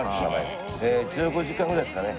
１５時間ぐらいですかね